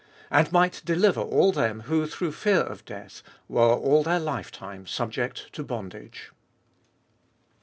And might deliver all them who through fear of death were all their lifetime subject to bondage.